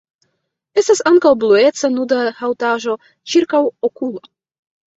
Estas ankaŭ blueca nuda haŭtaĵo ĉirkaŭokula.